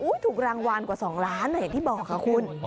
อุ้ยถูกรางวานกว่าสองล้านเหรออย่างที่บอกค่ะคุณ